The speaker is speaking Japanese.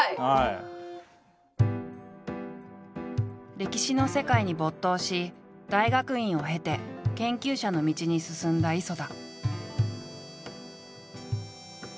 歴史の世界に没頭し大学院を経て研究者の道に進んだ磯田。